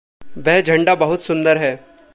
वह झंडा बहुत सुंदर है।